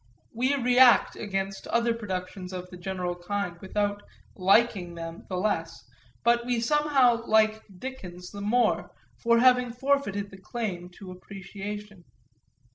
We react against other productions of the general kind without "liking" them the less, but we somehow liked Dickens the more for having forfeited half the claim to appreciation.